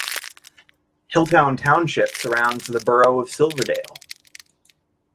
Hilltown Township surrounds the borough of Silverdale.